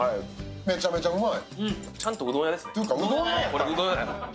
めちゃめちゃうまい。